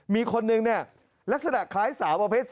มีคนหนึ่งเนี่ยลักษณะคล้ายสาวบ๒